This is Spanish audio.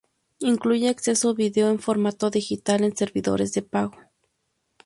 Incluye acceso a video en formato digital en servidores de pago.